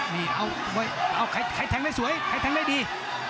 นี่เอาใครแทงได้สวยใครแทงได้ดี